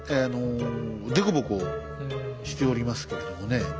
凸凹しておりますけれどもね。